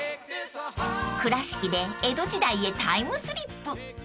［倉敷で江戸時代へタイムスリップ］